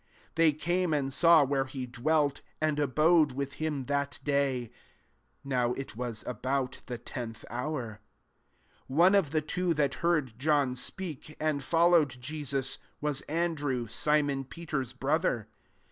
They came and saw where he dwelt, and abode with him that day: (now it was about the tenth hour). 40 One of the two that heard John sfieakj and followed Jesus, • was Andrew, Simon Peter's brother.